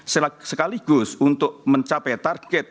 sekaligus untuk mencapai target